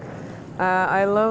saya suka energinya dan sangat bagus